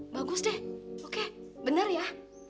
bagus deh oke bener ya